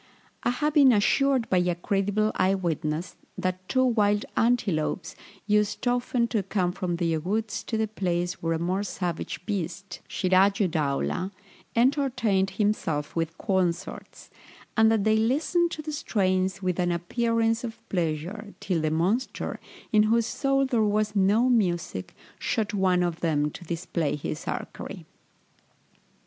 I have been assured by a credible eye witness, that two wild antelopes used often to come from their woods to the place where a more savage beast, Sirájuddaulah, entertained himself with concerts, and that they listened to the strains with an appearance of pleasure, till the monster, in whose soul there was no music, shot one of them to display his archery.